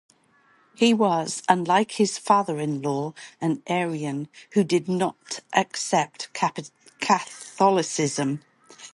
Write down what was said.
He was, unlike his father-in-law, an Arian who did not accept Catholicism.